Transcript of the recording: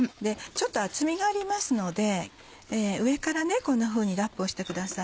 ちょっと厚みがありますので上からこんなふうにラップをしてください。